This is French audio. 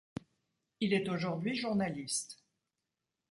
Il est aujourd'hui journaliste.